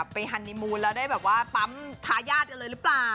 ฮันนิมูลแล้วได้แบบว่าปั๊มทายาทกันเลยหรือเปล่า